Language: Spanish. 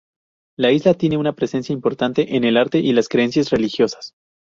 La isla tiene una presencia importante en el arte y las creencias religiosas.